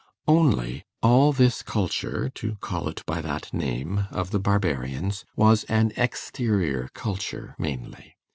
Only, all this culture (to call it by that name) of the Barbarians was an exterior culture mainly.